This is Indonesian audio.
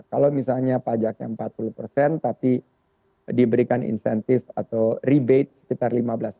kalau misalnya pajaknya empat puluh persen tapi diberikan insentif atau rebate sekitar lima belas